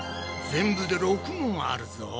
全部で６問あるぞ！